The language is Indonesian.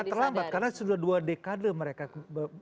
tidak terlambat karena sudah dua dekade mereka